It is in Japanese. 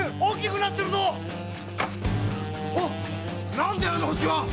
何でいあの星は？